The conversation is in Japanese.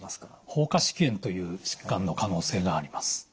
蜂窩織炎という疾患の可能性があります。